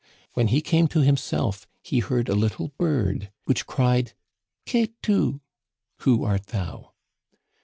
" When he came to himself he heard a little bird, which cried Qué tu ? (Who art thou